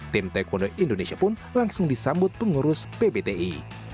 tim taekwondo indonesia pun langsung disambut pengurus pbti